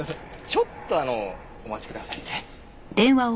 ちょっとあのお待ちくださいね。